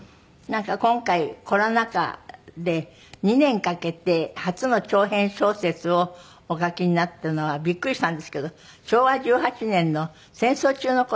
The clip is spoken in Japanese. なんか今回コロナ禍で２年かけて初の長編小説をお書きになったのはびっくりしたんですけど昭和１８年の戦争中の事？